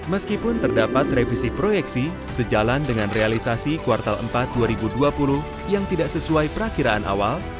meskipun terdapat revisi proyeksi sejalan dengan realisasi kuartal empat dua ribu dua puluh yang tidak sesuai perakiraan awal